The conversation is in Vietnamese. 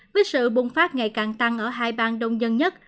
với sự bùng phát ngày càng tăng ở hai bang đông dân nhất